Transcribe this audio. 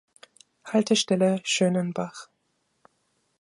Haltestelle: "Schönenbach"